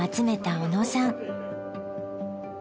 小野さん